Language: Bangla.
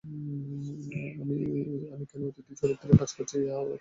আমি কেন অতিথি চরিত্রে কাজ করছি, ছবিটি দেখলেই দর্শক সেটা বুঝতে পারবেন।